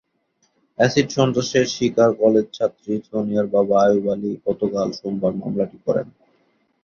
অ্যাসিড-সন্ত্রাসের শিকার কলেজছাত্রী সোনিয়ার বাবা আয়ুব আলী গতকাল সোমবার মামলাটি করেন।